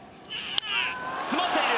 詰まっている！